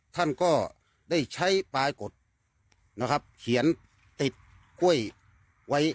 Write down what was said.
ท่านก็ได้ใช้ปลายกฎนะครับเขียนติดกล้วยไว้